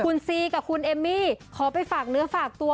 คุณซีกับคุณเอมมี่ขอไปฝากเนื้อฝากตัว